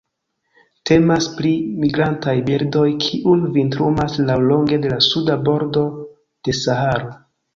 Temas pri migrantaj birdoj, kiuj vintrumas laŭlonge de la suda bordo de Saharo.